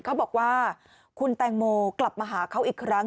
เขาบอกว่าคุณแตงโมกลับมาหาเขาอีกครั้ง